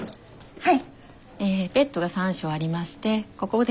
はい。